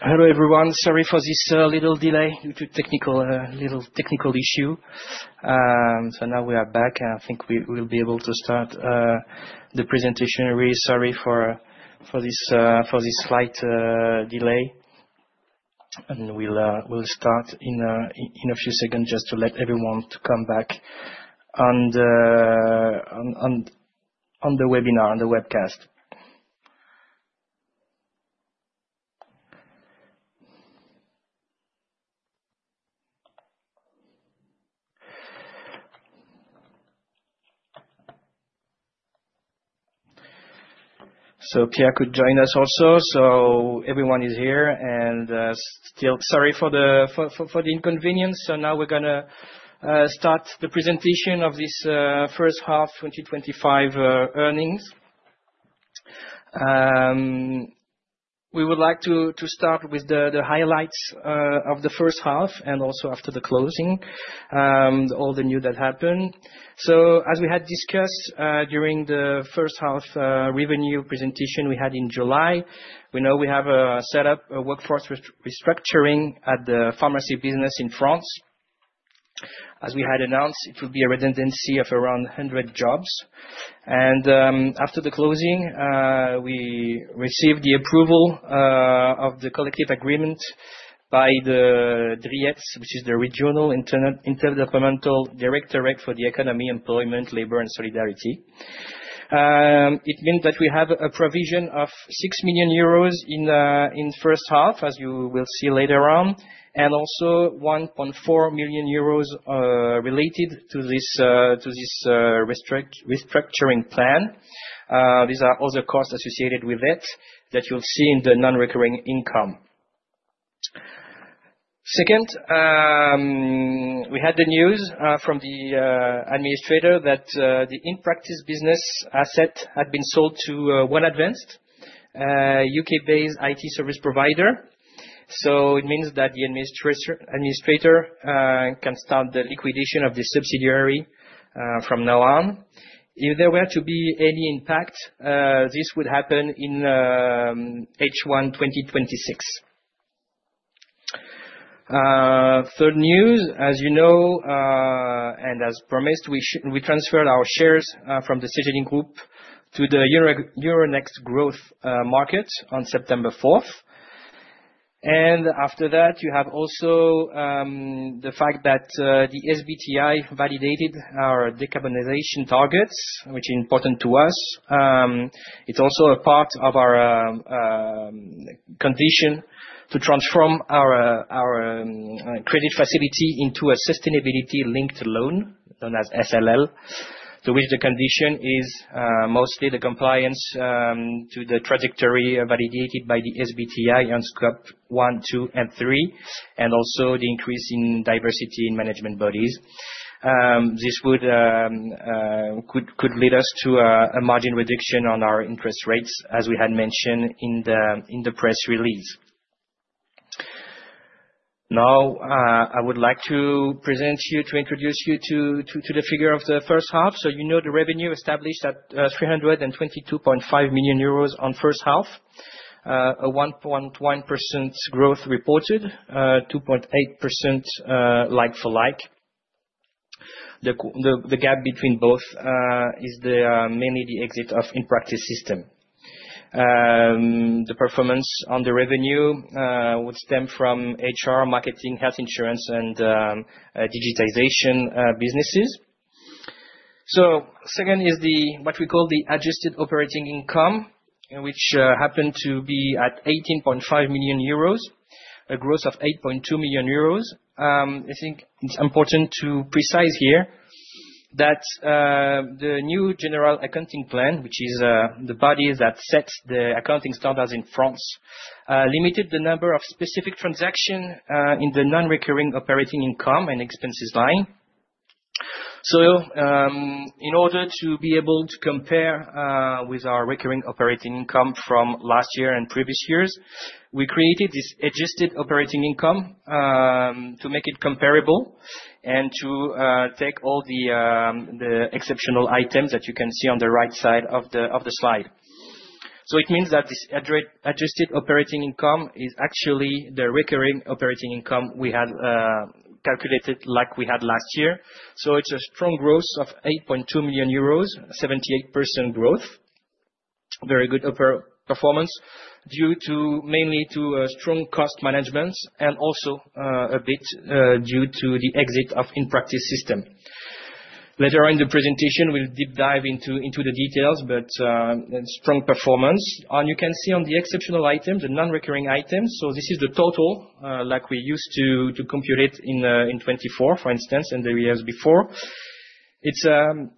Hello everyone, sorry for this little delay, little technical issue. So now we are back, and I think we will be able to start the presentation. Really sorry for this slight delay. We'll start in a few seconds just to let everyone to come back on the webinar, on the webcast. So Pierre could join us also, so everyone is here, and still sorry for the inconvenience. So now we're gonna start the presentation of this first half 2025 earnings. We would like to start with the highlights of the first half and also after the closing, all the news that happened. So as we had discussed, during the first half revenue presentation we had in July, we now have set up a workforce restructuring at the pharmacy business in France. As we had announced, it will be a redundancy of around 100 jobs. After the closing, we received the approval of the collective agreement by the DRIEETS, which is the regional interdepartmental directorate for the economy, employment, labor, and solidarity. It means that we have a provision of 6 million euros in first half, as you will see later on, and also 1.4 million euros related to this restructuring plan. These are all the costs associated with it that you'll see in the non-recurring income. Second, we had the news from the administrator that the In Practice business asset had been sold to OneAdvanced, a UK-based IT service provider. It means that the administrator can start the liquidation of the subsidiary from now on. If there were to be any impact, this would happen in H1 2026. Third news, as you know, and as promised, we transferred our shares from the Cegedim Group to the Euronext Growth market on September 4th. And after that, you have also the fact that the SBTi validated our decarbonization targets, which is important to us. It's also a part of our condition to transform our credit facility into a sustainability-linked loan, known as SLL, to which the condition is mostly the compliance to the trajectory validated by the SBTi on Scope 1, 2, and 3, and also the increase in diversity in management bodies. This would could lead us to a margin reduction on our interest rates, as we had mentioned in the press release. Now, I would like to present, to introduce you to the figure of the first half. You know the revenue established at 322.5 million euros on first half, a 1.1% growth reported, 2.8% like for like. The gap between both is mainly the exit of In Practice Systems. The performance on the revenue would stem from HR, marketing, health insurance, and digitization businesses. Second is what we call the adjusted operating income, which happened to be at 18.5 million euros, a growth of 8.2 million euros. I think it is important to specify here that the new general accounting plan, which is the body that sets the accounting standards in France, limited the number of specific transactions in the non-recurring operating income and expenses line. So, in order to be able to compare with our recurring operating income from last year and previous years, we created this adjusted operating income to make it comparable and to take all the exceptional items that you can see on the right side of the slide. So it means that this adjusted operating income is actually the recurring operating income we had, calculated like we had last year. So it's a strong growth of 8.2 million euros, 78% growth, very good operating performance due mainly to strong cost management and also a bit due to the exit of In Practice Systems. Later on in the presentation, we'll deep dive into the details, but strong performance. And you can see on the exceptional items, the non-recurring items. This is the total, like we used to, to compute it in 2024, for instance, and the years before. It's 9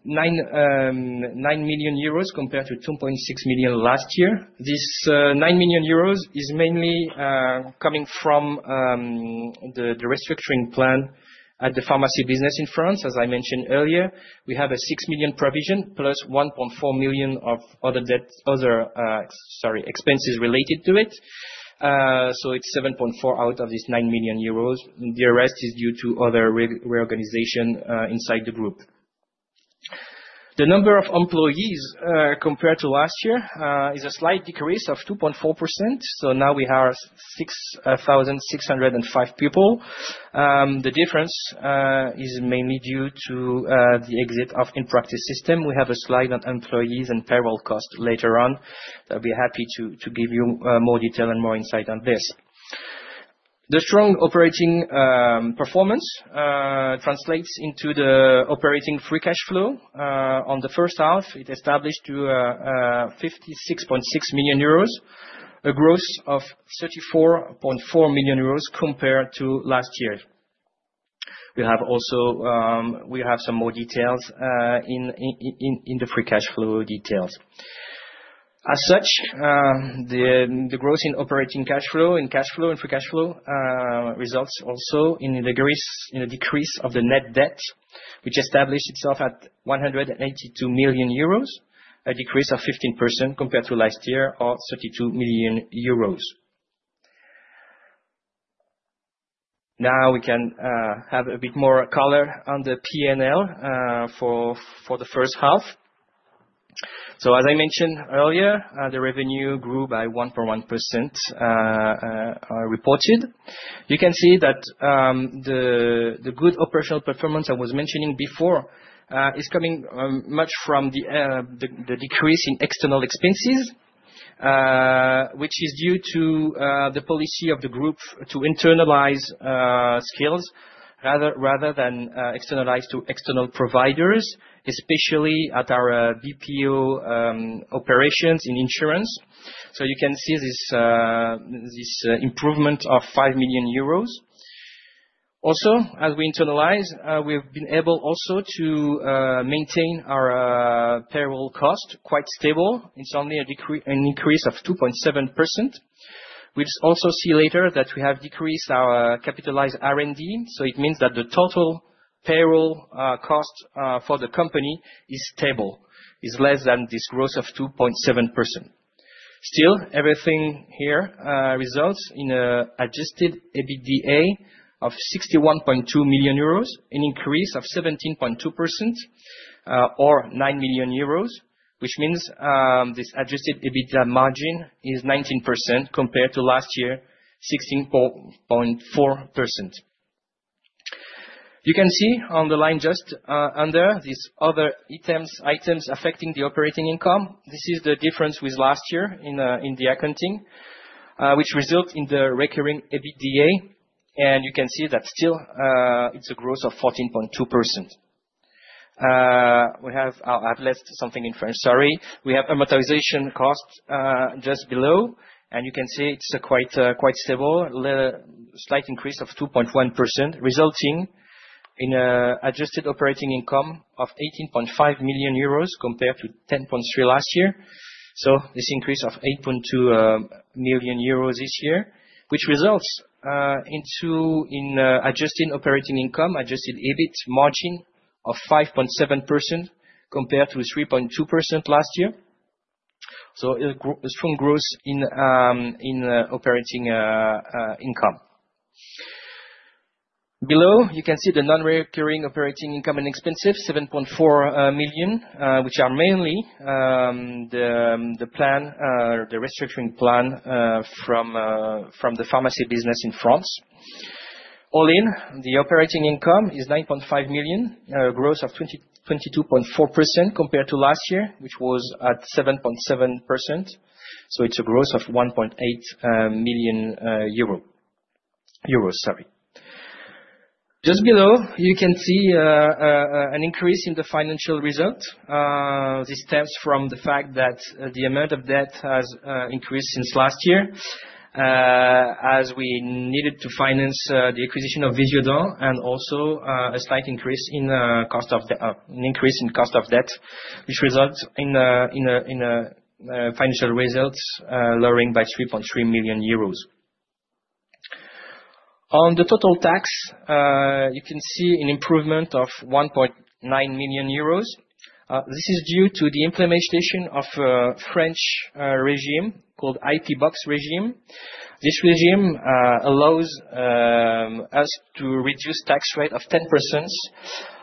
million euros compared to 2.6 million last year. This 9 million euros is mainly coming from the restructuring plan at the pharmacy business in France. As I mentioned earlier, we have a 6 million provision plus 1.4 million of other expenses related to it. It's 7.4 out of this 9 million euros. The rest is due to other reorganization inside the group. The number of employees, compared to last year, is a slight decrease of 2.4%. Now we have 6,605 people. The difference is mainly due to the exit of In Practice Systems. We have a slide on employees and payroll cost later on that I'll be happy to give you more detail and more insight on this. The strong operating performance translates into the operating free cash flow. On the first half, it established to 56.6 million euros, a growth of 34.4 million euros compared to last year. We also have some more details in the free cash flow details. As such, the growth in operating cash flow, cash flow and free cash flow results also in a decrease of the net debt, which established itself at 182 million euros, a decrease of 15% compared to last year, or 32 million euros. Now we can have a bit more color on the P&L for the first half, so as I mentioned earlier, the revenue grew by 1.1%, reported. You can see that the good operational performance I was mentioning before is coming much from the decrease in external expenses, which is due to the policy of the group to internalize skills rather than externalize to external providers, especially at our BPO operations in insurance. So you can see this improvement of 5 million euros. Also, as we internalize, we've been able also to maintain our payroll cost quite stable. It's only an increase of 2.7%. We also see later that we have decreased our capitalized R&D. So it means that the total payroll cost for the company is stable, less than this growth of 2.7%. Still, everything here results in an Adjusted EBITDA of 61.2 million euros, an increase of 17.2%, or 9 million euros, which means this Adjusted EBITDA margin is 19% compared to last year, 16.4%. You can see on the line just under these other items, items affecting the operating income. This is the difference with last year in the accounting, which result in the recurring EBITDA. And you can see that still, it's a growth of 14.2%. We have. I've lost something in French. Sorry. We have amortization cost just below, and you can see it's quite stable, a slight increase of 2.1%, resulting in a adjusted operating income of 18.5 million euros compared to 10.3 million last year. So this increase of 8.2 million euros this year, which results in adjusted operating income, adjusted EBIT margin of 5.7% compared to 3.2% last year. So a strong growth in operating income. Below, you can see the non-recurring operating income and expenses, 7.4 million, which are mainly the restructuring plan from the pharmacy business in France. All in, the operating income is 9.5 million, a growth of 22.4% compared to last year, which was at 7.7%. So it's a growth of 1.8 million euro, euro, euros, sorry. Just below, you can see an increase in the financial result. This stems from the fact that the amount of debt has increased since last year, as we needed to finance the acquisition of Visiodent and also a slight increase in cost of debt, which results in a financial result lowering by 3.3 million euros. On the total tax, you can see an improvement of 1.9 million euros. This is due to the implementation of a French regime called IP Box regime. This regime allows us to reduce tax rate of 10%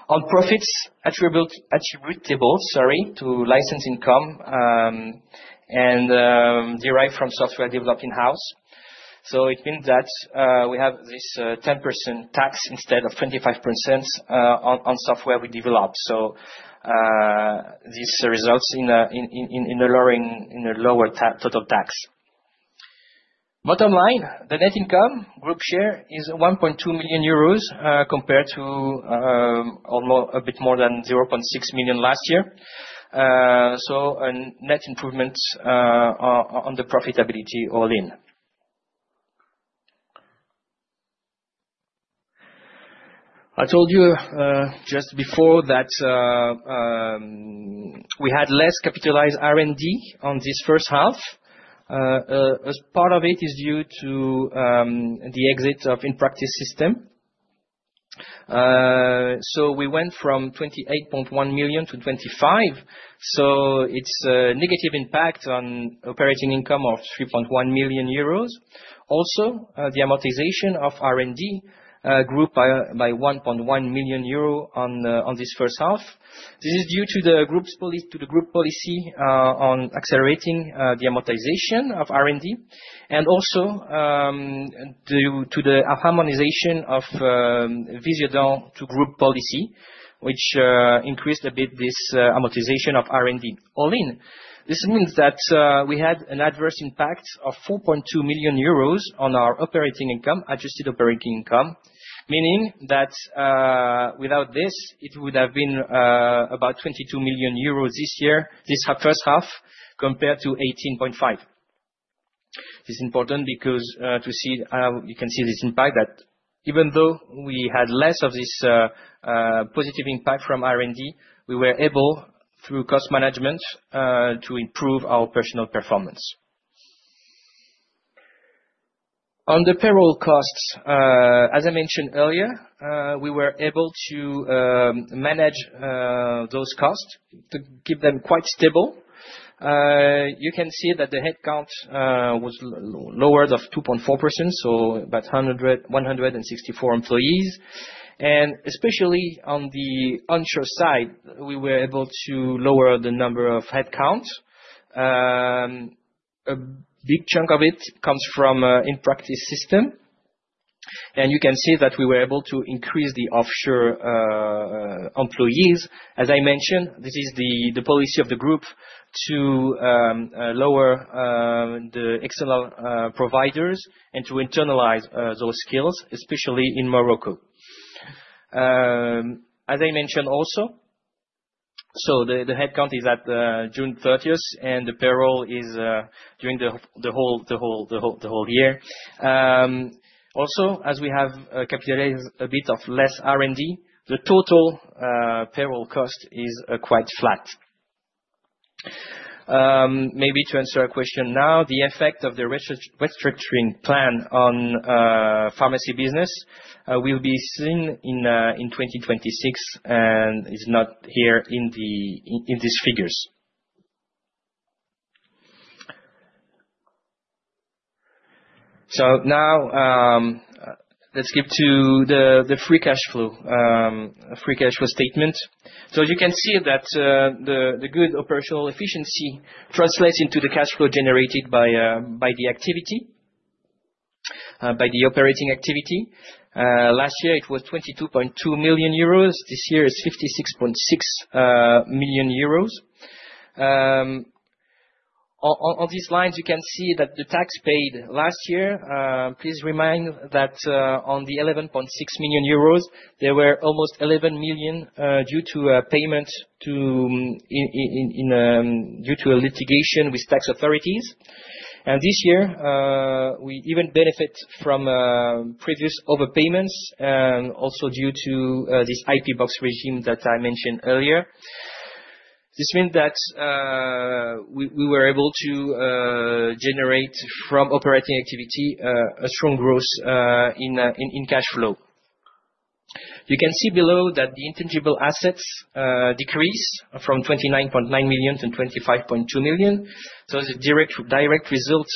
on profits attributable, sorry, to license income and derived from software developed in-house. So it means that we have this 10% tax instead of 25% on software we developed. So this results in a lower total tax. Bottom line, the net income group share is 1.2 million euros, compared to almost a bit more than 0.6 million last year, so a net improvement on the profitability all in. I told you just before that we had less capitalized R&D on this first half. As part of it is due to the exit of In Practice Systems, so we went from 28.1 million to 25 million. So it is a negative impact on operating income of 3.1 million euros. Also, the amortization of R&D grew by 1.1 million euro on this first half. This is due to the group's policy on accelerating the amortization of R&D and also to the harmonization of Visiodent to group policy, which increased a bit this amortization of R&D. All in, this means that we had an adverse impact of 4.2 million euros on our operating income, adjusted operating income, meaning that without this, it would have been about 22 million euros this year, this first half, compared to 18.5. This is important because to see how you can see this impact that even though we had less of this positive impact from R&D, we were able through cost management to improve our personnel performance. On the payroll costs, as I mentioned earlier, we were able to manage those costs to keep them quite stable. You can see that the headcount was lowered by 2.4%, so about 164 employees. And especially on the onshore side, we were able to lower the number of headcounts. A big chunk of it comes from In Practice Systems. And you can see that we were able to increase the offshore employees. As I mentioned, this is the policy of the group to lower the external providers and to internalize those skills, especially in Morocco. As I mentioned also, the headcount is at June 30th, and the payroll is during the whole year. Also, as we have capitalized a bit less R&D, the total payroll cost is quite flat. Maybe to answer a question now, the effect of the restructuring plan on pharmacy business will be seen in 2026, and it's not here in these figures. Now, let's get to the free cash flow statement. So you can see that the good operational efficiency translates into the cash flow generated by the operating activity. Last year, it was 22.2 million euros. This year is 56.6 million euros. On these lines, you can see that the tax paid last year. Please remind that on the 11.6 million euros, there were almost 11 million due to payments due to a litigation with tax authorities. And this year, we even benefit from previous overpayments, also due to this IP Box regime that I mentioned earlier. This means that we were able to generate from operating activity a strong growth in cash flow. You can see below that the intangible assets decrease from 29.9 million to 25.2 million. So it's a direct result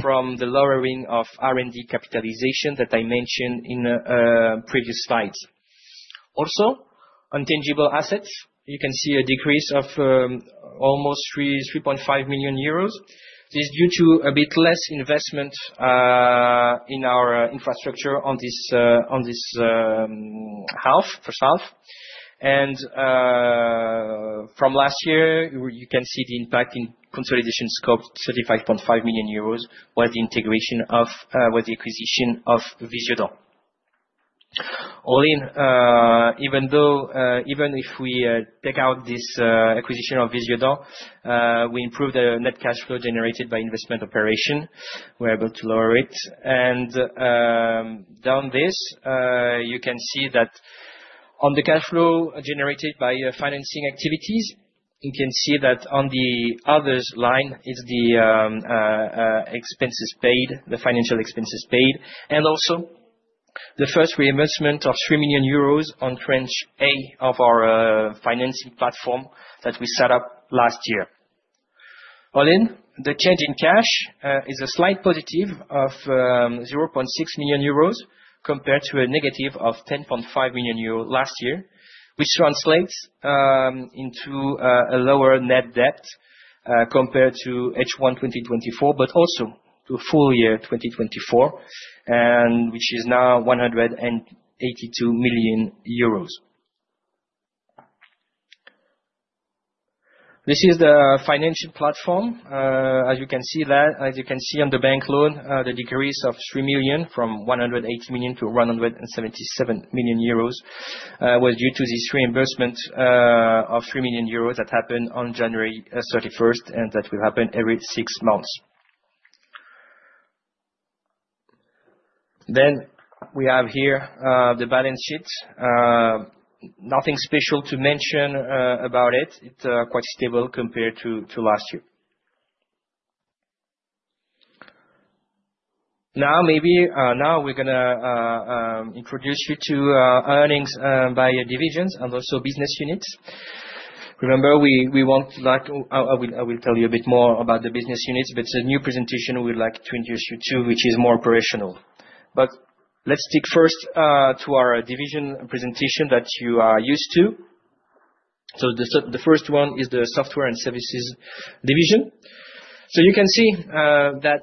from the lowering of R&D capitalization that I mentioned in previous slides. Also, on tangible assets, you can see a decrease of almost 3.5 million euros. This is due to a bit less investment in our infrastructure in this first half. And from last year, you can see the impact in consolidation scope. 35.5 million euros was the acquisition of Visiodent. All in, even if we take out this acquisition of Visiodent, we improved the net cash flow generated by investment operation. We're able to lower it. And down this, you can see that on the cash flow generated by financing activities. You can see that on the others line. It's the expenses paid, the financial expenses paid, and also the first reimbursement of 3 million euros on tranche A of our financing platform that we set up last year. All in, the change in cash is a slight positive of 0.6 million euros compared to a negative of 10.5 million euros last year, which translates into a lower net debt compared to H1 2024, but also to full year 2024, and which is now 182 million euros. This is the financial platform. As you can see on the bank loan, the decrease of 3 million from 180 million to 177 million euros was due to this reimbursement of 3 million euros that happened on January 31st, and that will happen every six months. Then we have here the balance sheet. Nothing special to mention about it. It's quite stable compared to last year. Now, maybe, now we're gonna introduce you to earnings by divisions and also business units. Remember, we won't like, I will tell you a bit more about the business units, but it's a new presentation we'd like to introduce you to, which is more operational. But let's stick first to our division presentation that you are used to. So the first one is the software and services division. So you can see that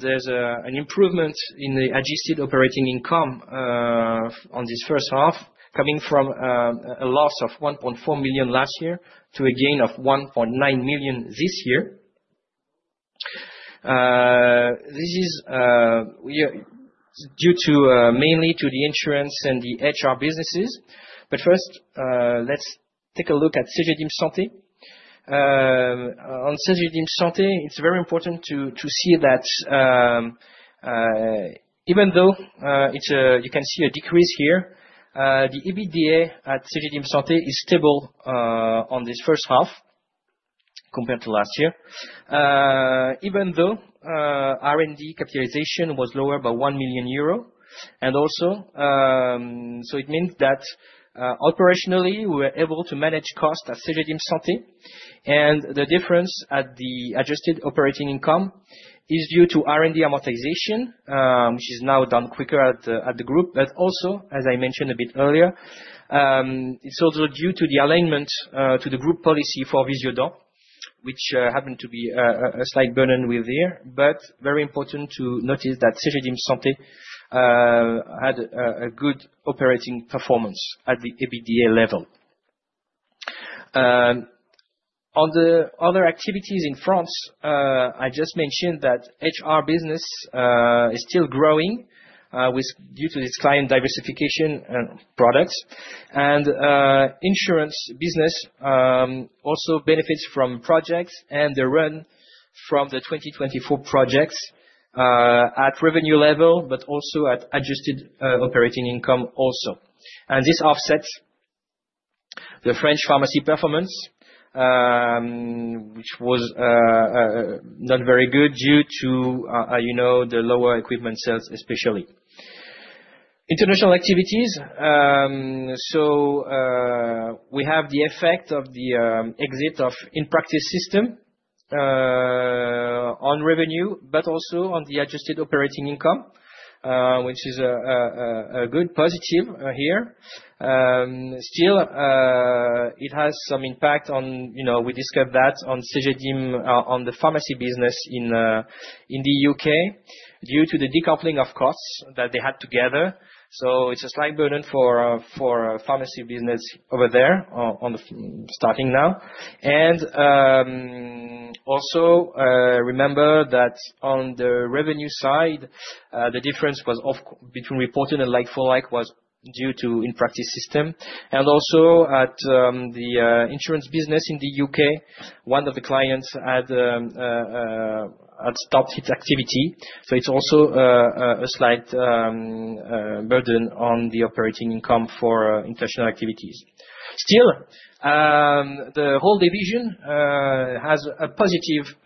there's an improvement in the adjusted operating income on this first half, coming from a loss of 1.4 million last year to a gain of 1.9 million this year. This is due mainly to the insurance and the HR businesses. But first, let's take a look at Cegedim Santé. On Cegedim Santé, it's very important to see that, even though it's a, you can see a decrease here, the EBITDA at Cegedim Santé is stable on this first half compared to last year. Even though R&D capitalization was lower by 1 million euro. Also, it means that operationally we were able to manage cost at Cegedim Santé, and the difference at the adjusted operating income is due to R&D amortization, which is now done quicker at the group. Also, as I mentioned a bit earlier, it is also due to the alignment to the group policy for Visiodent, which happened to be a slight burden there. Very important to notice that Cegedim Santé had a good operating performance at the EBITDA level. On the other activities in France, I just mentioned that HR business is still growing due to its client diversification and products, and insurance business also benefits from projects and the run from the 2024 projects at revenue level, but also at adjusted operating income. And this offsets the French pharmacy performance, which was not very good due to, you know, the lower equipment sales, especially international activities. So, we have the effect of the exit of In Practice Systems on revenue, but also on the Adjusted Operating Income, which is a good positive here. Still, it has some impact on, you know, we discussed that on Cegedim, on the pharmacy business in the UK due to the decoupling of costs that they had together. So it's a slight burden for pharmacy business over there on the starting now. Also, remember that on the revenue side, the difference was off between reporting and like-for-like was due to In Practice Systems. And also, the insurance business in the UK, one of the clients had stopped its activity. It's also a slight burden on the operating income for international activities. Still, the whole division has a positive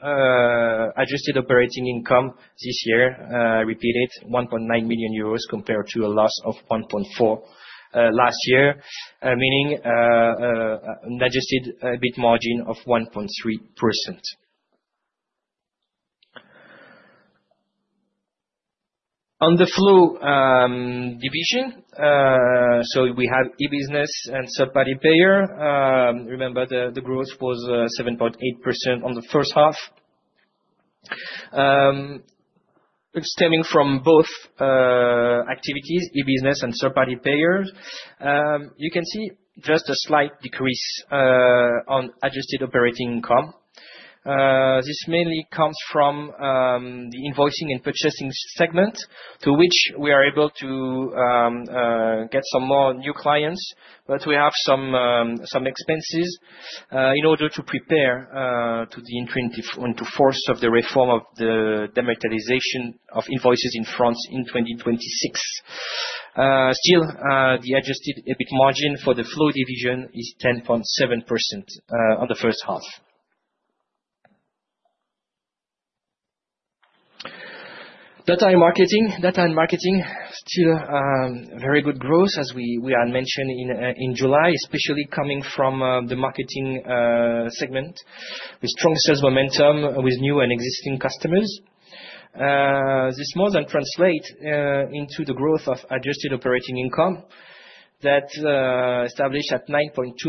adjusted operating income this year, reaching 1.9 million euros compared to a loss of 1.4 million last year, meaning an adjusted EBITDA margin of 1.3%. On the BPO division, so we have e-business and third-party payer. Remember the growth was 7.8% on the first half, stemming from both activities, e-business and third-party payers. You can see just a slight decrease on adjusted operating income. This mainly comes from the invoicing and purchasing segment to which we are able to get some more new clients, but we have some expenses in order to prepare for the entry into force of the reform of the dematerialization of invoices in France in 2026. Still, the adjusted EBITDA margin for the BPO division is 10.7% on the first half. Data & Marketing still very good growth as we, we had mentioned in, in July, especially coming from the marketing segment with strong sales momentum with new and existing customers. This more than translates into the growth of adjusted operating income that established at 9.2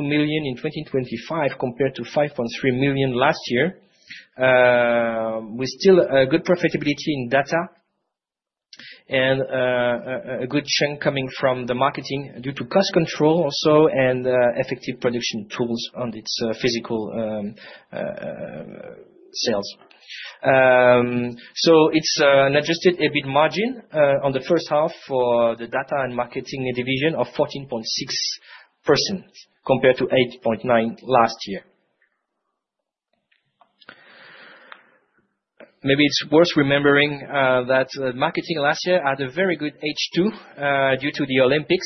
million in 2025 compared to 5.3 million last year. We still good profitability in data and a good chunk coming from the marketing due to cost control also and effective production tools on its fiscal sales. So it's an adjusted EBITDA margin Data & Marketing division of 14.6% compared to 8.9% last year. Maybe it's worth remembering that marketing last year had a very good H2 due to the Olympics.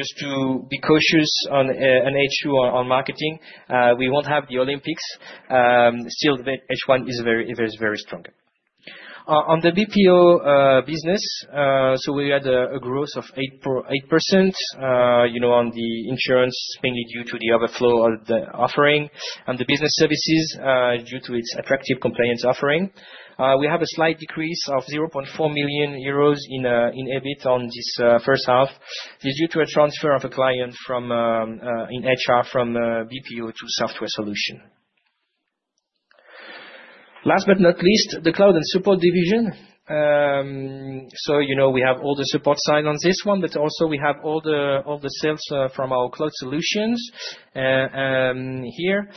Just to be cautious on an H2 on marketing, we won't have the Olympics. Still, the H1 is very, very, very strong. On the BPO business, so we had a growth of 8%, you know, on the insurance mainly due to the overflow of the offering and the business services, due to its attractive compliance offering. We have a slight decrease of 0.4 million euros in EBIT on this first half. This is due to a transfer of a client from in HR from BPO to software solution. Last but not least, the Cloud & Support division. So, you know, we have all the support side on this one, but also we have all the sales from our cloud solutions here.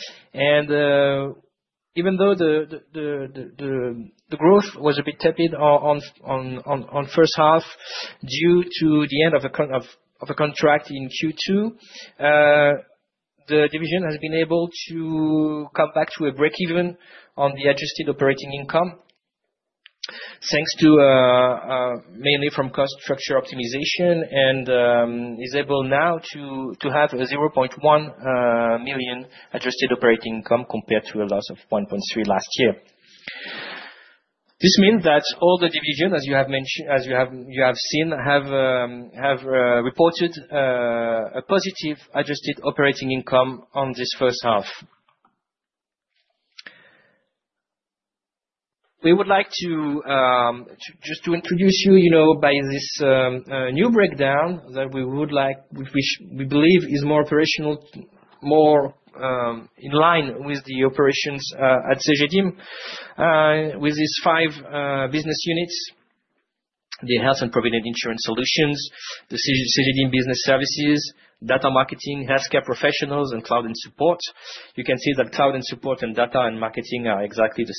Even though the growth was a bit tepid on first half due to the end of a contract in Q2, the division has been able to come back to a breakeven on the adjusted operating income thanks to mainly from cost structure optimization and is able now to have a 0.1 million adjusted operating income compared to a loss of 1.3 million last year. This means that all the division, as you have mentioned, as you have seen, have reported a positive adjusted operating income on this first half. We would like to just to introduce you, you know, by this new breakdown that we would like, we wish, we believe is more operational, more in line with the operations at Cegedim with these five business units: the Health and Provident Insurance Solutions, Cegedim Business Services, Data & Marketing, Healthcare Professionals are exactly the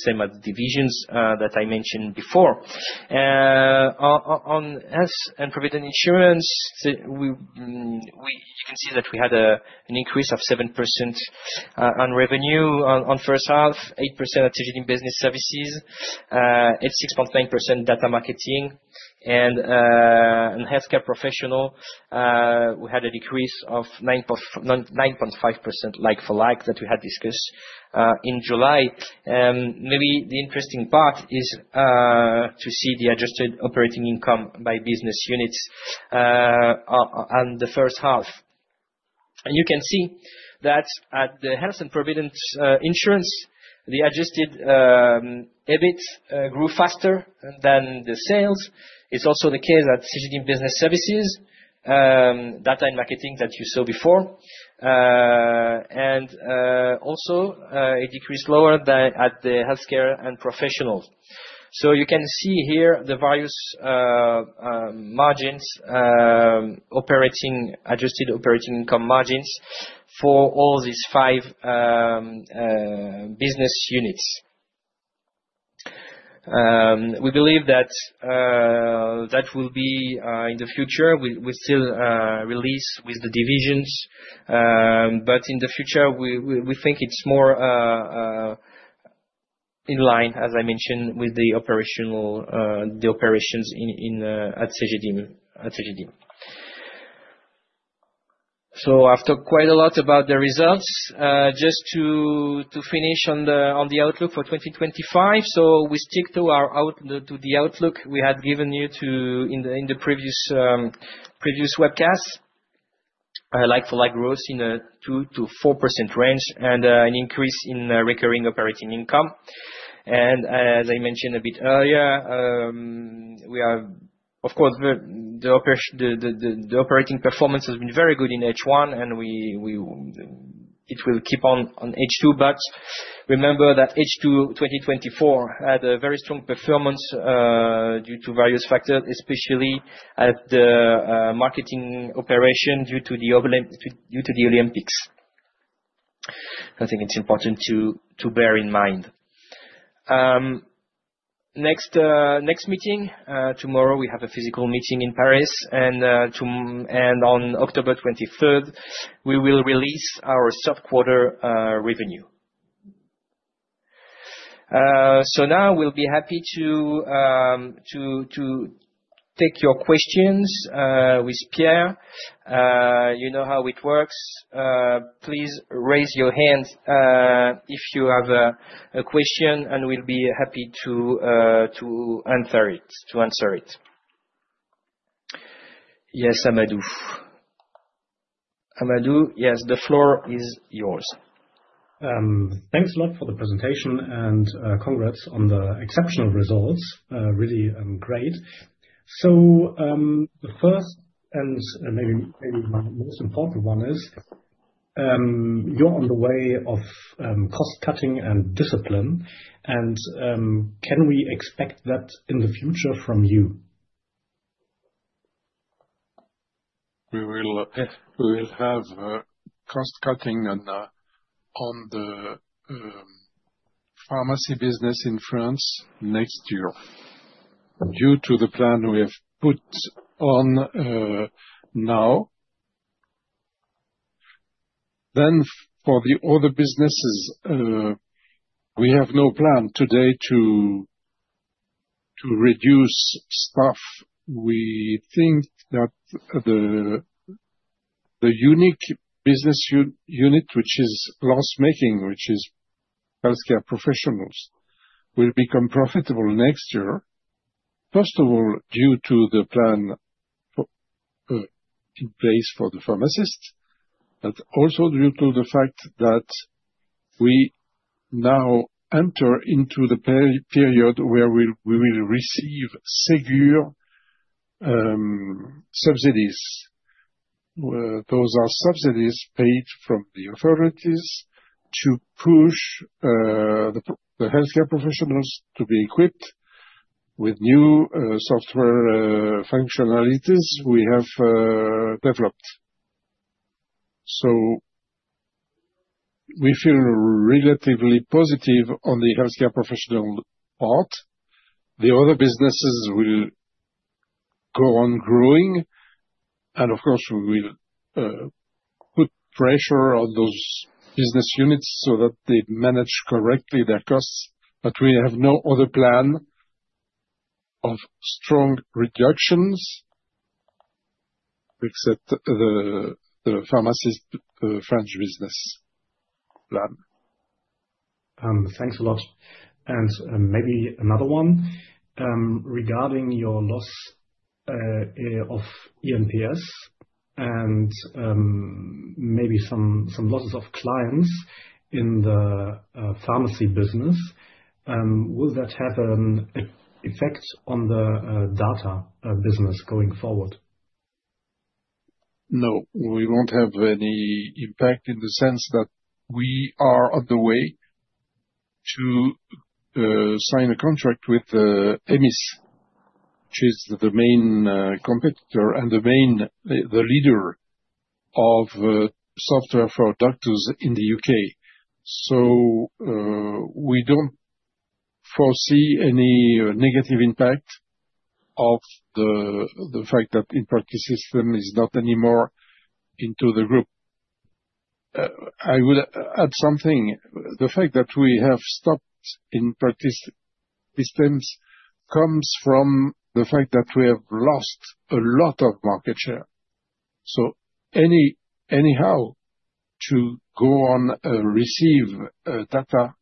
same as the divisions that I mentioned before. On Health & Provident Insurance, we you can see that we had an increase of 7% on revenue on first half, 8% at Cegedim Business Services, Healthcare Professionals, we had a decrease of 9%, 9.5% like-for-like that we had discussed in July. Maybe the interesting part is to see the adjusted operating income by business units on the first half. You can see that at the Health & Provident Insurance, the adjusted EBIT grew faster than the sales. Data & Marketing that you saw before. and also, it decreased lower than at the healthcare and professionals. So you can see here the various margins, operating adjusted operating income margins for all these five business units. We believe that will be in the future. We still release with the divisions. But in the future, we think it's more in line, as I mentioned, with the operations in at Cegedim. So after quite a lot about the results, just to finish on the outlook for 2025. We stick to our outlook, to the outlook we had given you in the previous webcast, like-for-like growth in a 2%-4% range and an increase in recurring operating income. As I mentioned a bit earlier, we are, of course, the operating performance has been very good in H1, and it will keep on in H2. Remember that H2 2024 had a very strong performance due to various factors, especially the marketing operation due to the Olympics. I think it's important to bear in mind. Next, tomorrow we have a physical meeting in Paris, and on October 23rd, we will release our Q3 revenue. Now we'll be happy to take your questions with Pierre. You know how it works. Please raise your hand if you have a question, and we'll be happy to answer it. Yes, Amadou.The floor is yours. Thanks a lot for the presentation, and congrats on the exceptional results. Really great. So the first and maybe my most important one is you're on the way of cost-cutting and discipline. Can we expect that in the future from you? We will have cost-cutting on the pharmacy business in France next year due to the plan we have put on now. Then for the other businesses, we have no plan today to reduce staff. We think that the unique business unit, which Healthcare Professionals, will become profitable next year, first of all, due to the plan in place for the pharmacist, but also due to the fact that we now enter into the period where we will receive Ségur subsidies. Those are subsidies paid from the Healthcare Professionals to be equipped with new software functionalities we have developed. So we feel relatively positive Healthcare Professional part. the other businesses will go on growing, and of course, we will put pressure on those business units so that they manage correctly their costs. But we have no other plan of strong reductions except the pharmacist French business plan. Thanks a lot. And maybe another one, regarding your loss of EMIS and maybe some losses of clients in the pharmacy business. Will that have an effect on the data business going forward? No, we won't have any impact in the sense that we are on the way to sign a contract with EMIS, which is the main competitor and the main leader of software for doctors in the UK. So, we don't foresee any negative impact of the fact that In Practice Systems is not anymore into the group. I would add something. The fact that we have stopped In Practice Systems comes from the fact that we have lost a lot of market share. So anyhow, to go on receive data,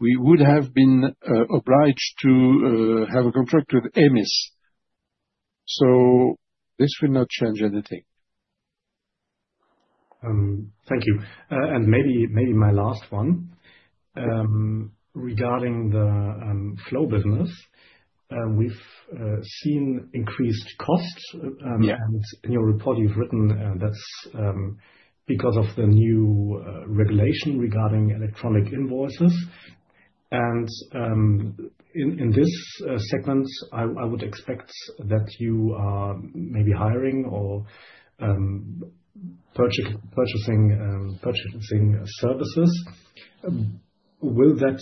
we would have been obliged to have a contract with EMIS. So this will not change anything. Thank you. And maybe my last one, regarding the flow business. We've seen increased costs. And in your report, you've written that's because of the new regulation regarding electronic invoices. And in this segment, I would expect that you are maybe hiring or purchasing services. Will that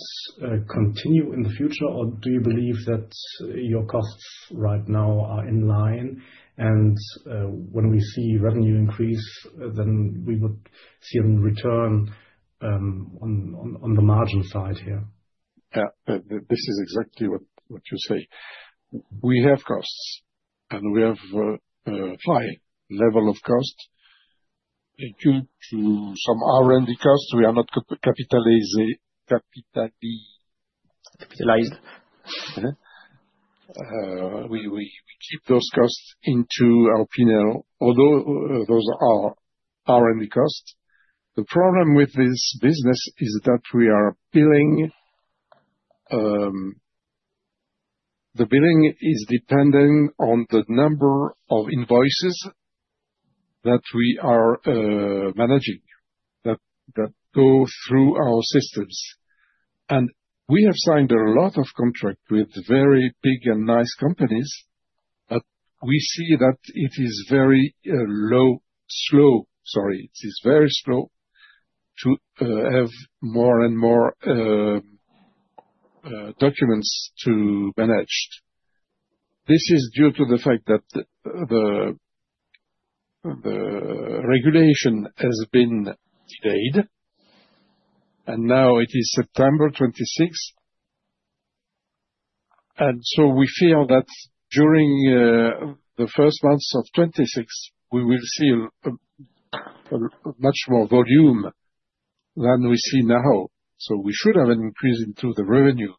continue in the future, or do you believe that your c osts right now are in line? And when we see revenue increase, then we would see a return on the margin side here. Yeah, this is exactly what you say. We have costs, and we have a high level of cost due to some R&D costs. We are not capitalizing. Capitalized. We keep those costs into our P&L, although those are R&D costs. The problem with this business is that we are billing. The billing is dependent on the number of invoices that we are managing that go through our systems. We have signed a lot of contracts with very big and nice companies, but we see that it is very slow to have more and more documents to manage. This is due to the fact that the regulation has been delayed, and now it is September 26th. We feel that during the first months of 2026, we will see a much more volume than we see now. We should have an increase into the revenue.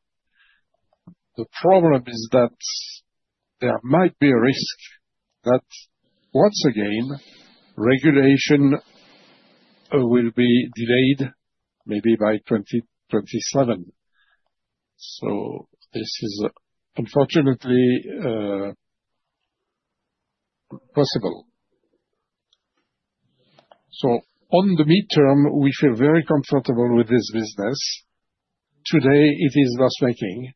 The problem is that there might be a risk that once again regulation will be delayed maybe by 2027. This is unfortunately possible. On the midterm, we feel very comfortable with this business. Today, it is loss-making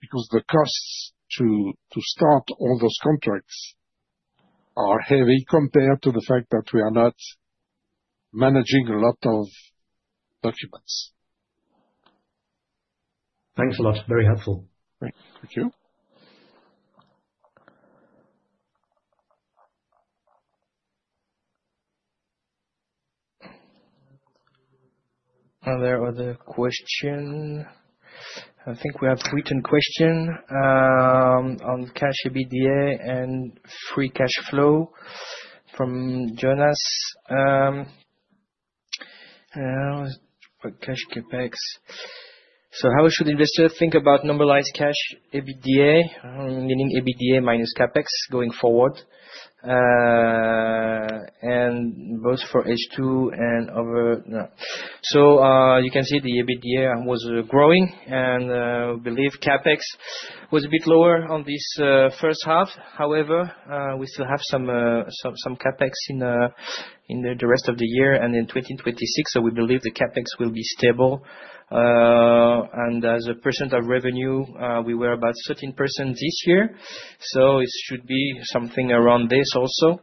because the costs to start all those contracts are heavy compared to the fact that we are not managing a lot of documents. Thanks a lot. Very helpful. Thank you. Are there other questions? I think we have a written question on cash EBITDA and free cash flow from Jonas. What cash CapEx? So how should investors think about normalized cash EBITDA, meaning EBITDA minus CapEx going forward? And both for H2 and over. You can see the EBITDA was growing, and we believe CapEx was a bit lower in this first half. However, we still have some CapEx in the rest of the year and in 2026. We believe the CapEx will be stable and as a percentage of revenue, we were about 13% this year. It should be something around this also.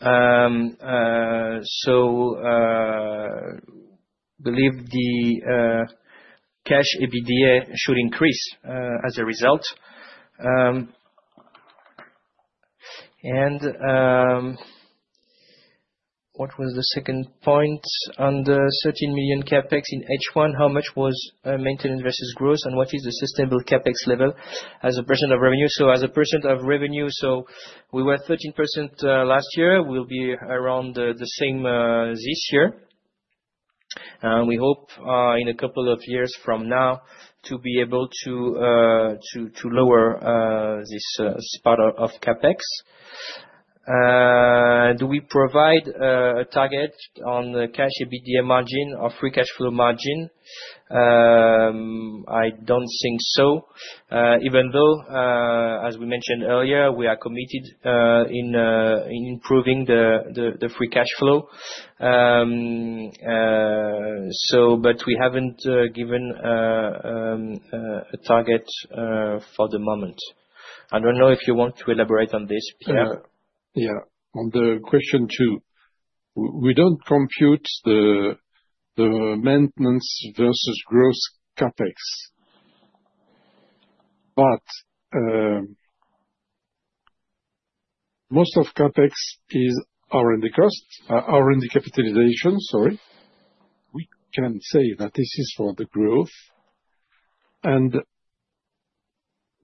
We believe the cash EBITDA should increase as a result. What was the second point on the 13 million CapEx in H1? How much was maintenance versus growth, and what is the sustainable CapEx level as a percent of revenue? So as a percent of revenue, we were 13% last year. We'll be around the same this year. We hope in a couple of years from now to be able to lower this stock of CapEx. Do we provide a target on the cash EBITDA margin or free cash flow margin? I don't think so. Even though as we mentioned earlier we are committed to improving the free cash flow, but we haven't given a target for the moment. I don't know if you want to elaborate on this, Pierre. Yeah, yeah. On the question two, we don't compute the maintenance versus growth CapEx. But most of CapEx is R&D cost, R&D capitalization, sorry. We can say that this is for growth.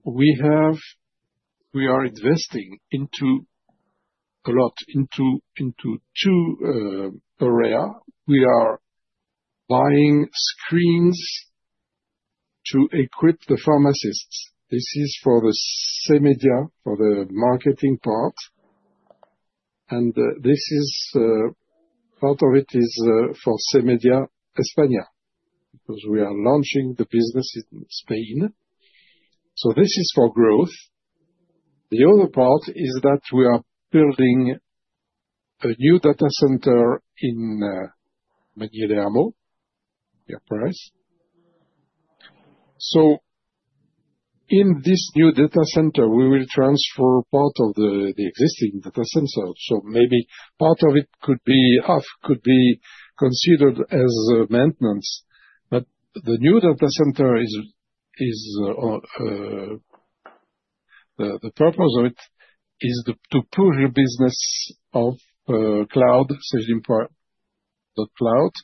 We are investing a lot into two areas. We are buying screens to equip the pharmacists. This is for Cegedim, for the marketing part. Part of it is for Cegedim España because we are launching the business in Spain. This is for growth. The other part is that we are building a new data center in Malakoff, near Paris. In this new data center, we will transfer part of the existing data center. Maybe part of it could be half considered as maintenance, but the new data center, the purpose of it is to push the business of Cegedim.cloud.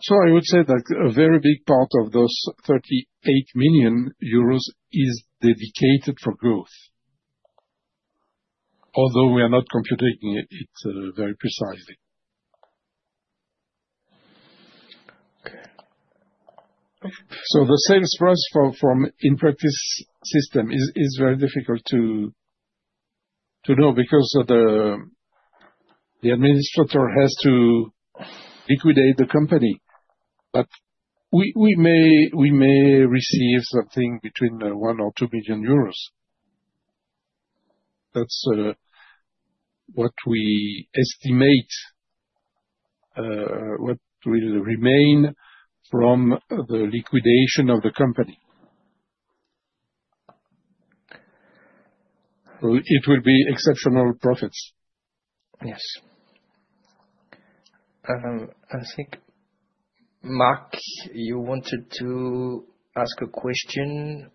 So I would say that a very big part of those 38 million euros is dedicated for growth, although we are not computing it very precisely. Okay. The sales price from In Practice Systems is very difficult to know because the administrator has to liquidate the company. But we may receive something between one or two million EUR. That's what we estimate, what will remain from the liquidation of the company. So it will be exceptional profits. Yes. I think Mark, you wanted to ask a question.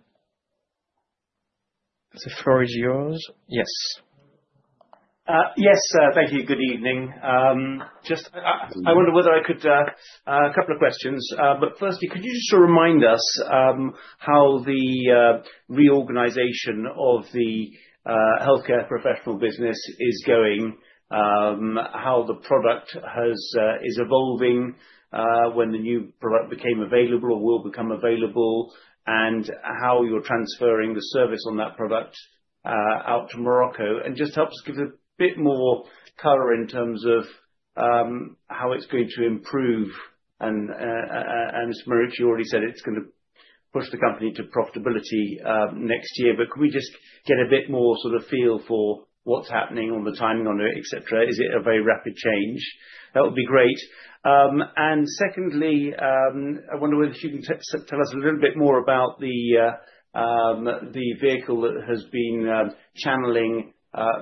The floor is yours. Yes, yes. Thank you. Good evening. I wonder whether I could ask a couple of questions. But firstly, could you just remind us how the reorganization Healthcare Professional business is going, how the product has, is evolving, when the new product became available or will become available, and how you're transferring the service on that product out to Morocco. And just helps give a bit more color in terms of how it's going to improve. And, and Mr. Marucchi already said it's going to push the company to profitability next year. But could we just get a bit more sort of feel for what's happening on the timing on it, etc.? Is it a very rapid change? That would be great. And secondly, I wonder whether you can tell us a little bit more about the vehicle that has been channeling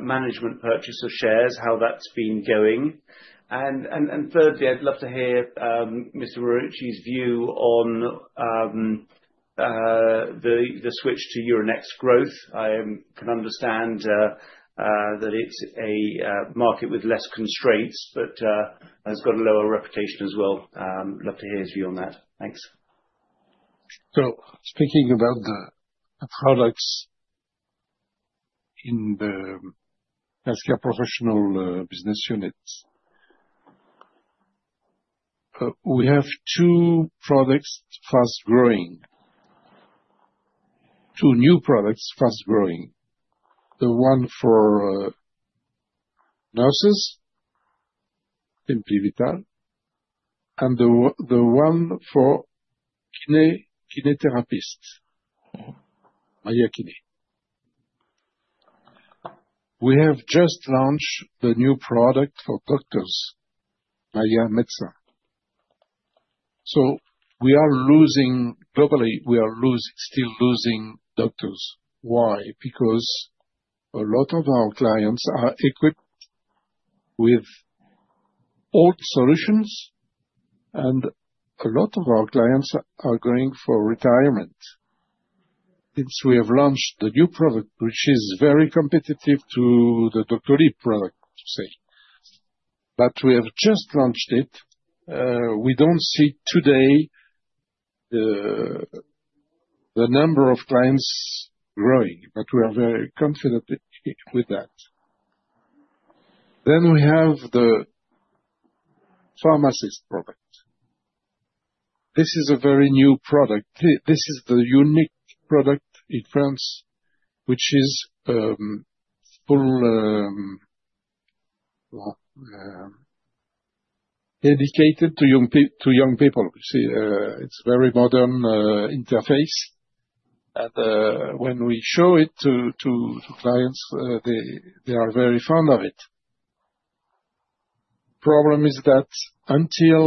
management purchase of shares, how that's been going. And, and, and thirdly, I'd love to hear, Mr. Marucchi's view on the switch to Euronext Growth. I can understand that it's a market with less constraints, but has got a lower reputation as well. I love to hear his view on that. Thanks. So speaking about Healthcare Professionals business unit, we have two products fast growing, two new products fast growing. The one for nurses, Simply Vital, and the one for kiné, kiné therapist, Maiia Kiné. We have just launched the new product for doctors, Maiia Médecin. So we are losing globally, we are losing, still losing doctors. Why? Because a lot of our clients are equipped with old solutions, and a lot of our clients are going for retirement. Since we have launched the new product, which is very competitive to the Doctolib product, say, but we have just launched it, we don't see today the number of clients growing, but we are very confident with that. Then we have the pharmacist product. This is a very new product. This is the unique product in France, which is fully dedicated to young people. You see, it's a very modern interface. And when we show it to clients, they are very fond of it. Problem is that until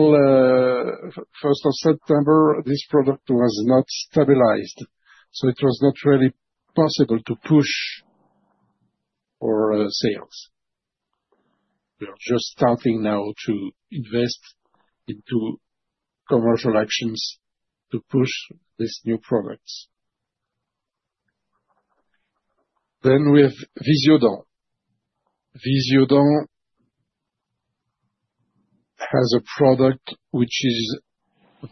first of September, this product was not stabilized. So it was not really possible to push for sales. We are just starting now to invest into commercial actions to push these new products. Then we have Visiodent. Visiodent has a product which is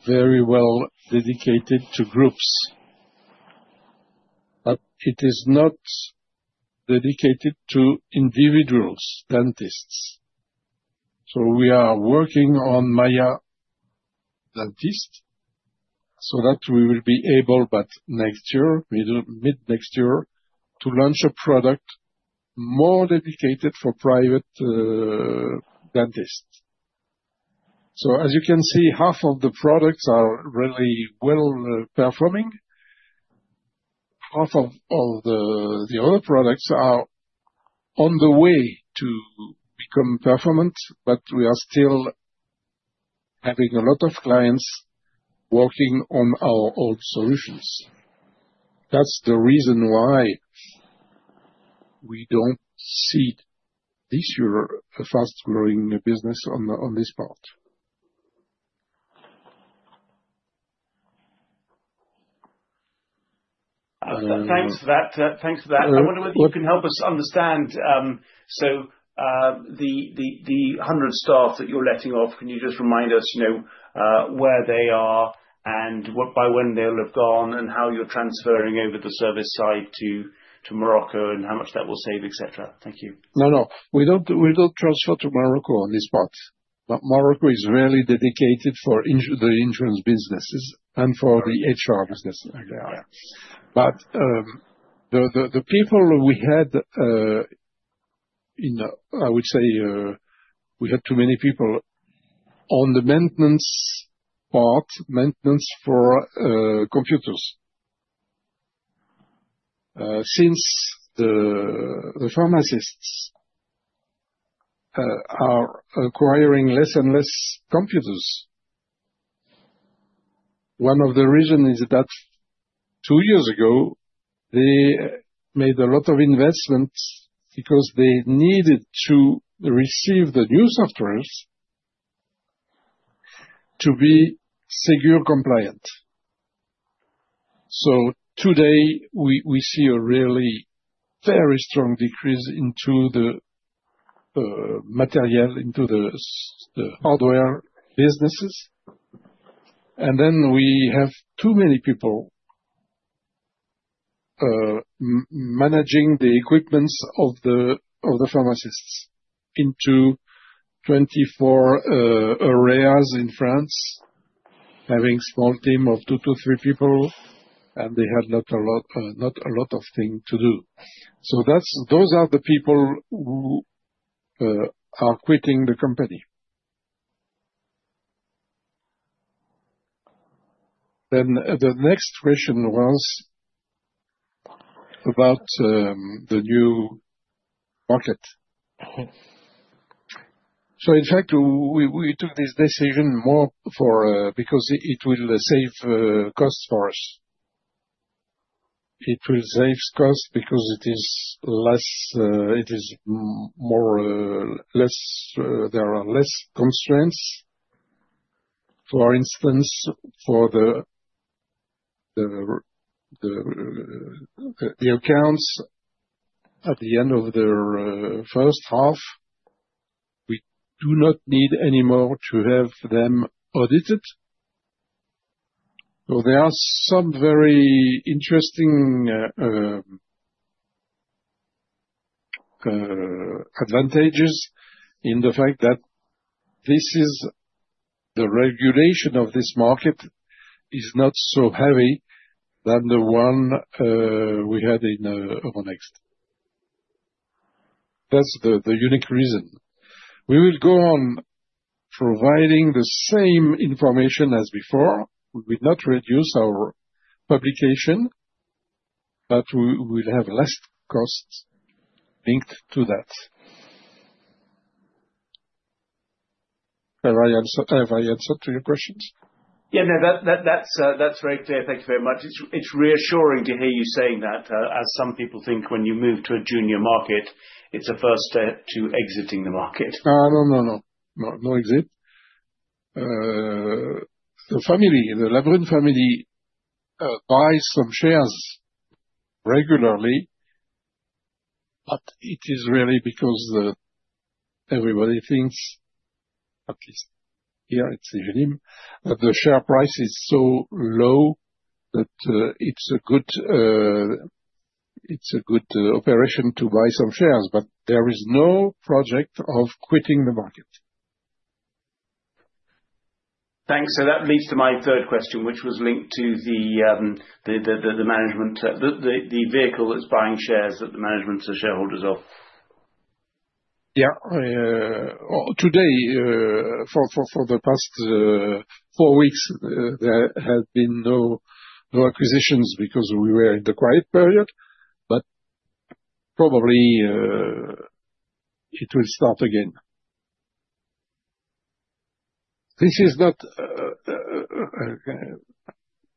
very well dedicated to groups, but it is not dedicated to individuals, dentists. So we are working on Maiia Dentiste so that we will be able, but next year, middle, mid next year, to launch a product more dedicated for private, dentists. So as you can see, half of the products are really well performing. Half of the other products are on the way to become performant, but we are still having a lot of clients working on our old solutions. That's the reason why we don't see this year a fast growing business on this part. Thanks for that. Thanks for that.I wonder whether you can help us understand, so, the 100 staff that you're laying off, can you just remind us, you know, where they are and what, by when they'll have gone and how you're transferring over the service side to Morocco and how much that will save, etc.? Thank you. No. We don't transfer to Morocco on this part. But Morocco is really dedicated for the insurance businesses and for the HR business. Yeah. But the people we had, in, I would say, we had too many people on the maintenance part, maintenance for computers. Since the pharmacists are acquiring less and less computers. One of the reasons is that two years ago, they made a lot of investments because they needed to receive the new software to be Ségur compliant. So today, we see a really very strong decrease in the material in the hardware businesses. And then we have too many people managing the equipment of the pharmacists in 24 areas in France, having a small team of two, three people, and they had not a lot of things to do. So that's those are the people who are quitting the company. The next question was about the new market. So in fact, we took this decision more because it will save costs for us. It will save costs because it is less. It is more less. There are less constraints. For instance, for the accounts at the end of the first half, we do not need anymore to have them audited. So there are some very interesting advantages in the fact that the regulation of this market is not so heavy than the one we had in Euronext. That's the unique reason. We will go on providing the same information as before. We will not reduce our publication, but we will have less costs linked to that. Have I answered, have I answered to your questions? Yeah, no, that's very clear. Thank you very much. It's reassuring to hear you saying that, as some people think when you move to a junior market, it's a first step to exiting the market. No, no, no, no. No, no exit. The family, the Labrune family, buys some shares regularly, but it is really because everybody thinks, at least here at Cegedim, that the share price is so low that it's a good operation to buy some shares, but there is no project of quitting the market. Thanks. So that leads to my third question, which was linked to the management, the vehicle that's buying shares that the management are shareholders of. Yeah. Today, for the past four weeks, there have been no acquisitions because we were in the quiet period, but probably it will start again. This is not,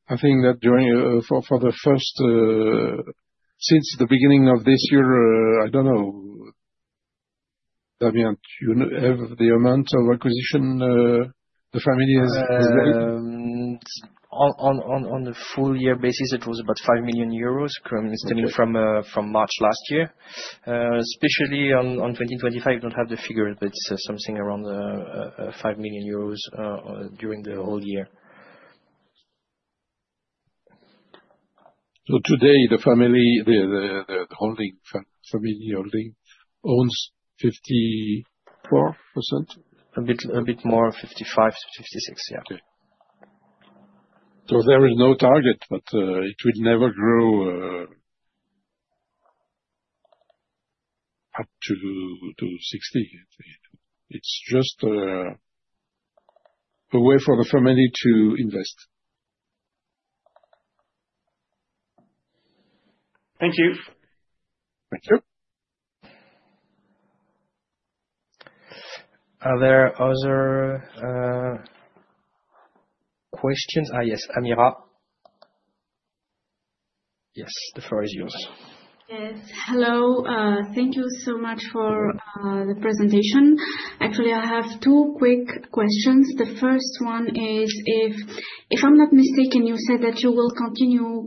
I think that during the first, since the beginning of this year, I don't know, Damien, you have the amount of acquisition, the family has made? On the full year basis, it was about 5 million euros, coming from March last year. Especially on 2025, I don't have the figure, but it's something around 5 million euros during the whole year. So today, the family holding owns 54%? A bit more, 55%-56%, yeah. Okay. So there is no target, but it will never grow up to 60%. It's just a way for the family to invest. Thank you. Thank you. Are there other questions? Yes, Amira. Yes, the floor is yours. Yes. Hello. Thank you so much for the presentation. Actually, I have two quick questions. The first one is if I'm not mistaken, you said that you will continue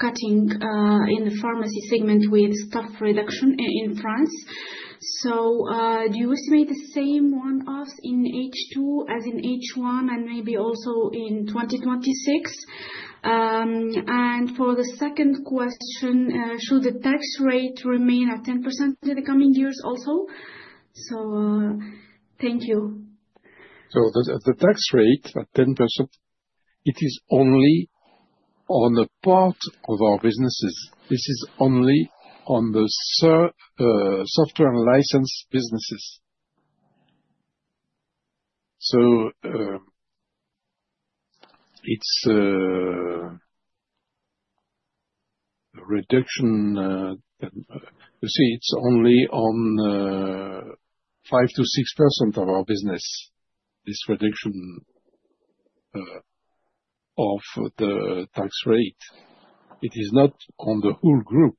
cutting in the pharmacy segment with staff reduction in France. Do you estimate the same one-offs in H2 as in H1 and maybe also in 2026? And for the second question, should the tax rate remain at 10% in the coming years also? So, thank you. So the tax rate at 10%, it is only on the part of our businesses. This is only on the software and license businesses. So, it's reduction, you see, it's only on 5%-6% of our business, this reduction of the tax rate. It is not on the whole group.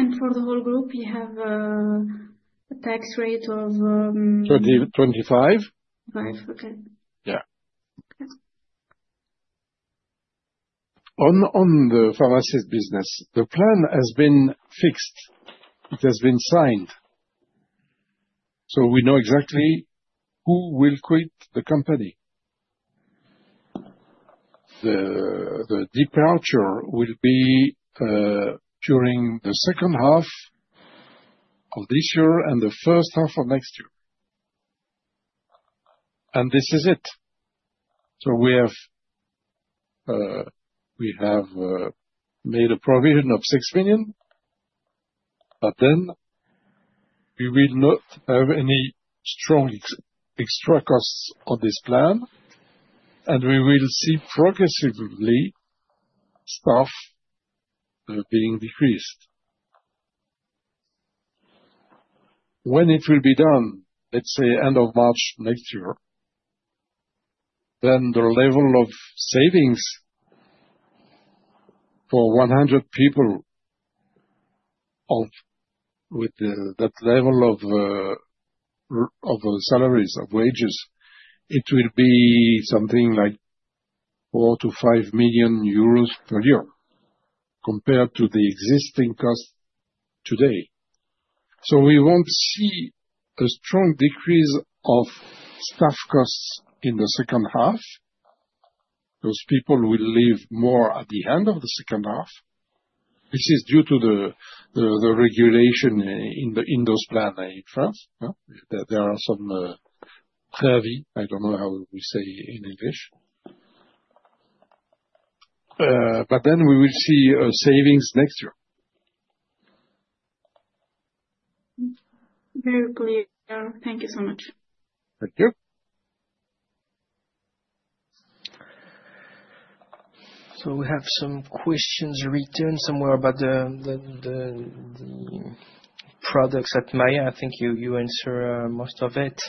And for the whole group, you have a tax rate of 20%-25%. 25%, okay. Yeah. Okay. On the pharmacist business, the plan has been fixed. It has been signed. So we know exactly who will quit the company. The departure will be during the second half of this year and the first half of next year. This is it. So we have made a provision of 6 million, but then we will not have any strong extra costs on this plan, and we will see progressively staff being decreased. When it will be done, let's say end of March next year, then the level of savings for 100 people with that level of salaries, wages, it will be something like 4 million-5 million euros per year compared to the existing costs today. So we won't see a strong decrease of staff costs in the second half because people will leave more at the end of the second half, which is due to the regulation in those plans in France. There are some. I don't know how we say in English, but then we will see savings next year. Very clear. Thank you so much. Thank you. So we have some questions written somewhere about the products at Maiia. I think you answered most of it.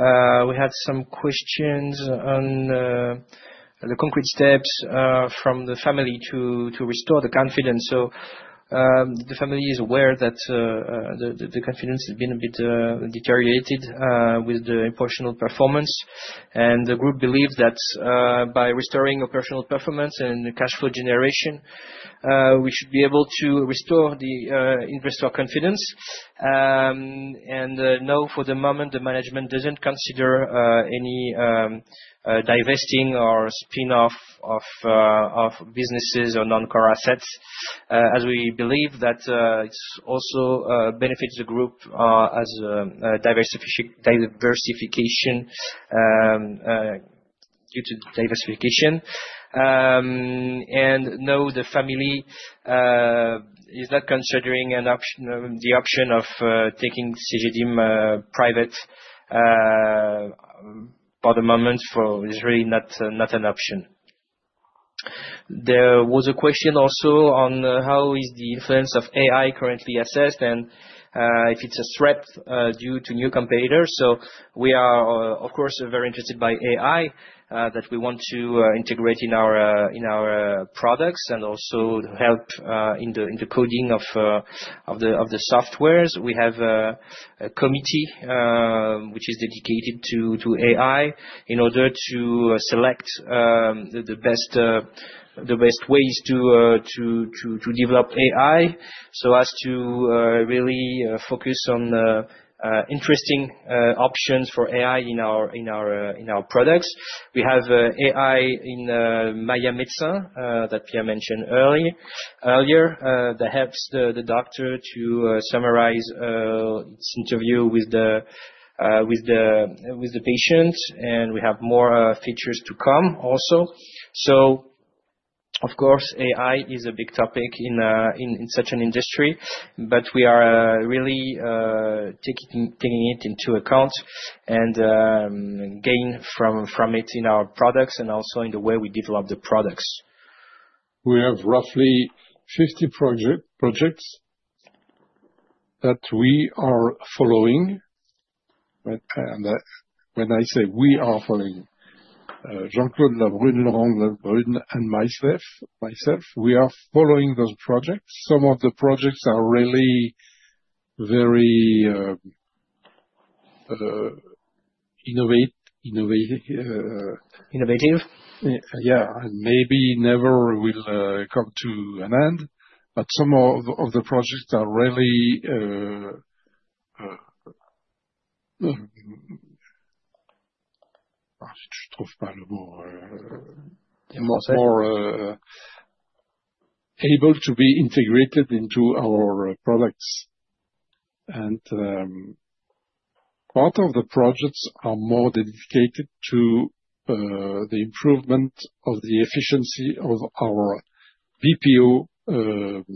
We had some questions on the concrete steps from the family to restore the confidence. So the family is aware that the confidence has been a bit deteriorated with the operational performance. And the group believes that by restoring operational performance and cash flow generation, we should be able to restore the investor confidence. And now for the moment, the management doesn't consider any divesting or spin-off of businesses or non-core assets, as we believe that it's also benefits the group as diversification due to diversification. And now the family is not considering an option, the option of taking Cegedim private for the moment, as it is really not an option. There was a question also on how the influence of AI is currently assessed and, if it's a threat, due to new competitors. We are, of course, very interested in AI that we want to integrate in our products and also help in the coding of the software. We have a committee which is dedicated to AI in order to select the best ways to develop AI so as to really focus on interesting options for AI in our products. We have AI in Maiia Médecin that Pierre mentioned earlier that helps the doctor to summarize its interview with the patient, and we have more features to come also. Of course, AI is a big topic in such an industry, but we are really taking it into account and gain from it in our products and also in the way we develop the products. We have roughly 50 projects that we are following. When I say we are following, Jean-Claude Labrune, Laurent Labrune, and myself, we are following those projects. Some of the projects are really very innovative. Maybe they never will come to an end, but some of the projects are really more able to be integrated into our products. Part of the projects are more dedicated to the improvement of the efficiency of our BPO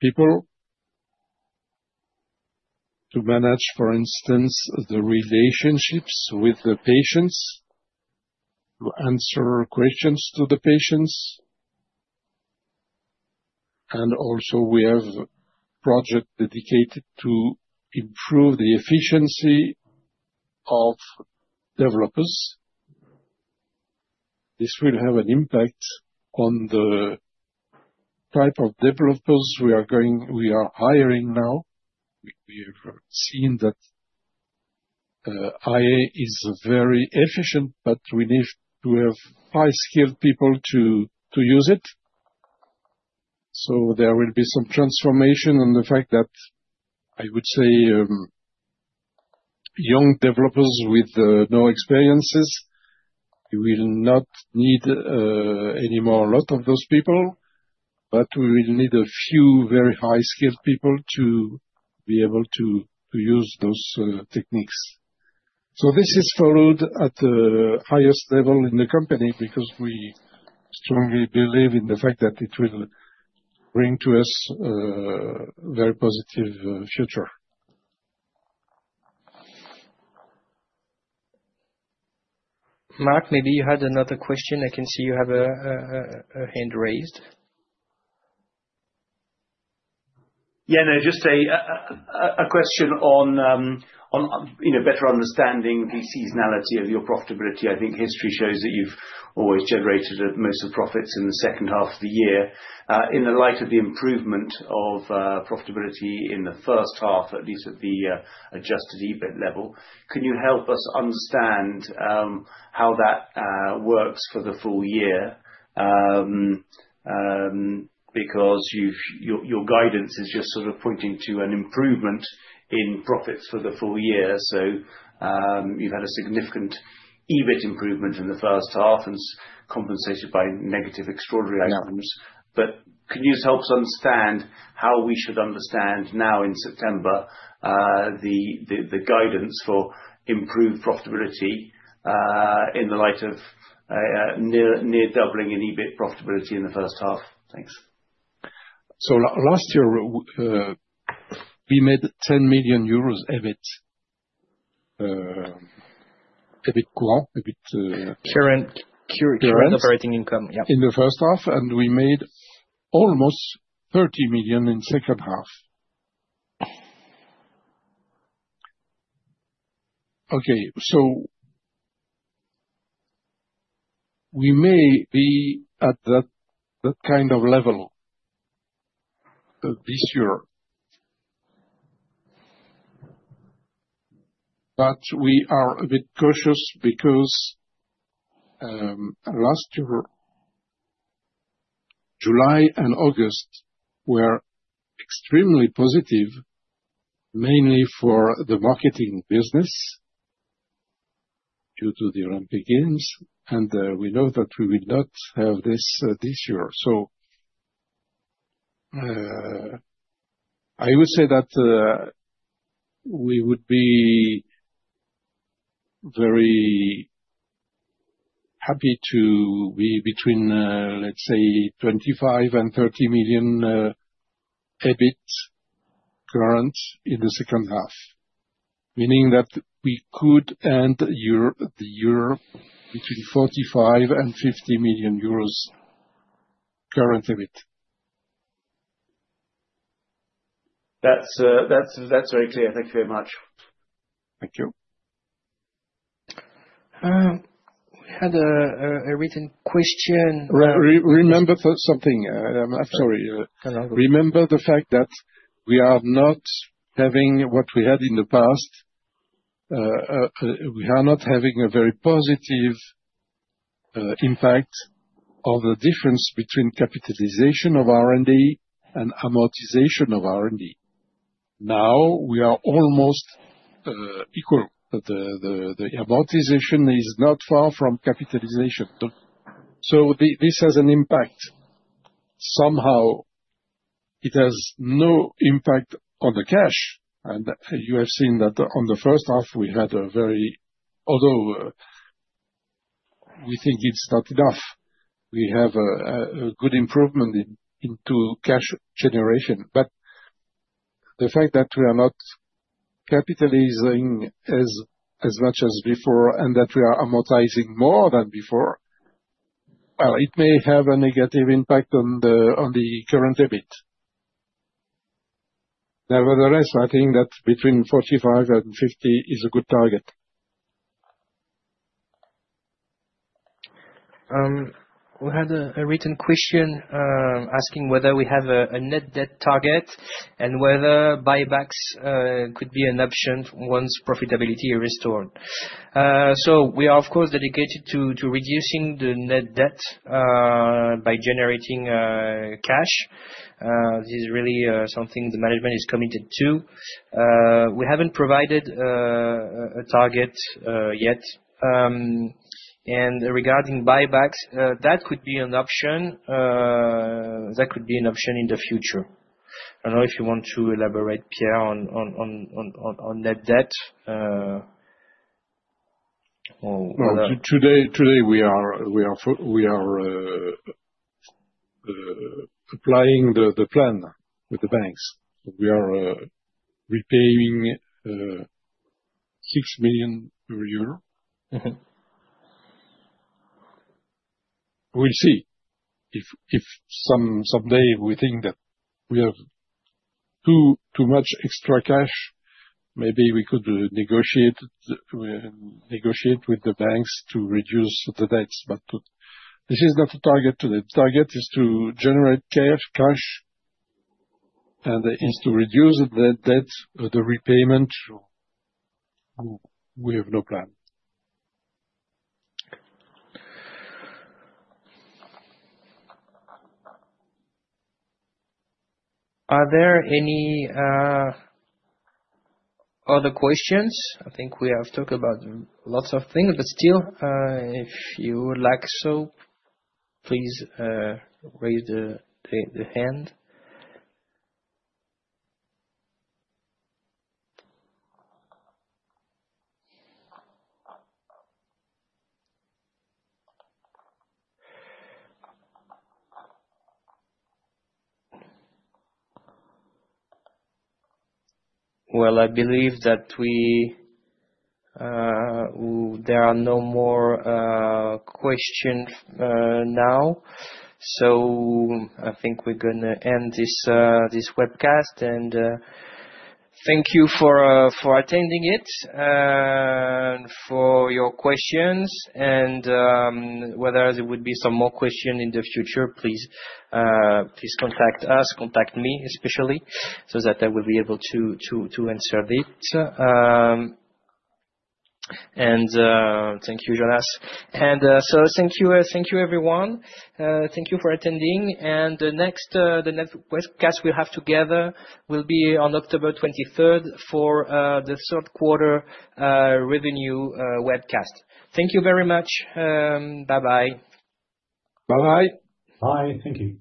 people to manage, for instance, the relationships with the patients, to answer questions to the patients. Also we have a project dedicated to improve the efficiency of developers. This will have an impact on the type of developers we are going, we are hiring now. We have seen that AI is very efficient, but we need to have high-skilled people to use it. So there will be some transformation on the fact that I would say young developers with no experience, we will not need anymore a lot of those people, but we will need a few very high-skilled people to be able to use those techniques. So this is followed at the highest level in the company because we strongly believe in the fact that it will bring to us a very positive future. Mark, maybe you had another question. I can see you have a hand raised. Yeah, no, just a question on you know, better understanding the seasonality of your profitability. I think history shows that you've always generated most of profits in the second half of the year. In the light of the improvement of profitability in the first half, at least at the adjusted EBIT level, can you help us understand how that works for the full year? Because your guidance is just sort of pointing to an improvement in profits for the full year. So, you've had a significant EBIT improvement in the first half and compensated by negative extraordinary items. But can you help us understand how we should understand now in September the guidance for improved profitability in the light of near doubling in EBIT profitability in the first half? Thanks. So last year, we made 10 million EUR EBIT current, current operating income, yeah. In the first half, and we made almost 30 million EUR in the second half. Okay. So we may be at that kind of level this year, but we are a bit cautious because last year, July and August were extremely positive, mainly for the marketing business due to the Olympic Games, and we know that we will not have this year. So I would say that we would be very happy to be between, let's say 25 and 30 million EUR current EBIT in the second half, meaning that we could end the year between 45 and 50 million euros current EBIT. That's very clear. Thank you very much. Thank you. We had a written question. Remember something. I'm sorry. Remember the fact that we are not having what we had in the past. We are not having a very positive impact of the difference between capitalization of R&D and amortization of R&D. Now we are almost equal. The amortization is not far from capitalization. So this has an impact. Somehow it has no impact on the cash. And you have seen that on the first half, we had a very, although we think it's not enough, we have a good improvement into cash generation. But the fact that we are not capitalizing as much as before and that we are amortizing more than before, well, it may have a negative impact on the current EBIT. Nevertheless, I think that between 45 and 50 is a good target. We had a written question asking whether we have a net debt target and whether buybacks could be an option once profitability is restored. We are, of course, dedicated to reducing the net debt by generating cash. This is really something the management is committed to. We haven't provided a target yet. Regarding buybacks, that could be an option. That could be an option in the future. I don't know if you want to elaborate, Pierre, on net debt or. Well, today we are applying the plan with the banks. We are repaying 6 million per year. We'll see if someday we think that we have too much extra cash, maybe we could negotiate with the banks to reduce the debts. But this is not the target today. The target is to generate cash and is to reduce the debt, the repayment. We have no plan. Are there any other questions? I think we have talked about lots of things, but still, if you would like so, please raise the hand. Well, I believe that we, there are no more questions now. So I think we're going to end this webcast. And thank you for attending it, and for your questions. And whether there would be some more questions in the future, please contact us, contact me especially so that I will be able to answer it. And thank you, Jonas. And so thank you, thank you, everyone. Thank you for attending. And the next webcast we'll have together will be on October 23rd for the Q3 revenue webcast. Thank you very much. Bye-bye. Bye-bye. Bye. Thank you.